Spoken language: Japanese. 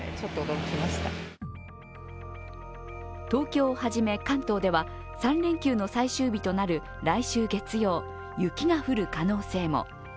東京をはじめ関東では３連休の最終日となる来週月曜、雪が降る可能性も。